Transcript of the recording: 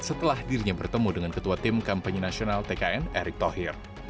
setelah dirinya bertemu dengan ketua tim kampanye nasional tkn erick thohir